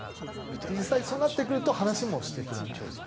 実際そうなってくると話もしてくれない。